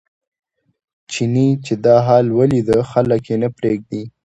چیني چې دا حال ولیده خلک یې نه پرېږدي.